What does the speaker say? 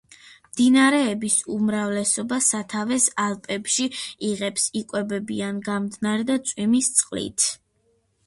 მდინარეების უმრავლესობა სათავეს ალპებში იღებს, იკვებებიან გამდნარი და წვიმის წყლით.